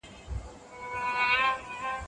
څه شی د کورنیو اړیکو په پیاوړتیا کي مرسته کوي؟